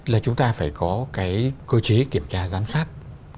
là chúng ta phải có cái cơ chế kiểm tra giám sát